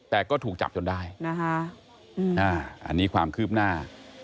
แต่ก็ถูกจับจนได้นะคะอันนี้ความคืบหน้า